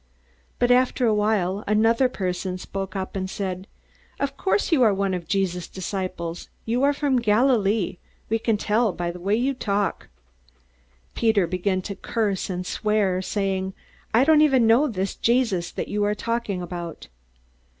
But after a while another person spoke up and said: "Of course you are one of Jesus' disciples. You are from Galilee. We can tell from the way you talk." Peter began to curse and swear, saying, "I don't even know this Jesus that you are talking about!"